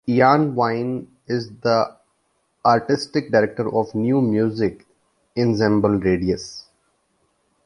Ian Vine is the artistic director of new music ensemble Radius.